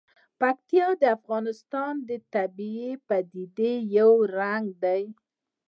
پکتیا د افغانستان د طبیعي پدیدو یو رنګ دی.